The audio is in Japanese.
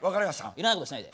いらないことしないで。